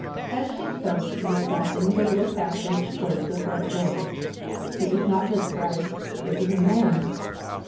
As she spoke she was crossing the little passage towards the front door. It was not Miss Brice it was a man.